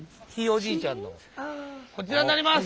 こちらになります！